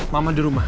mama di rumah